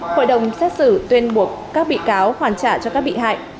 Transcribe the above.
hội đồng xét xử tuyên buộc các bị cáo hoàn trả cho các bị hại